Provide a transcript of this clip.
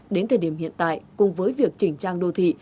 đến thời điểm hiện tại cùng với việc chỉnh trang đối